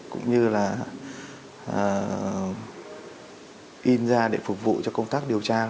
cũng như là in ra để phục vụ cho công tác điều tra